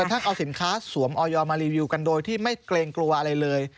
ทั้งเอาสินค้าสวมออยมารีวิวกันโดยที่ไม่เกรงกลัวอะไรเลย